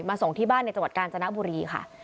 ส่งที่บ้านในจังหวัดกาญจนบุรีค่ะ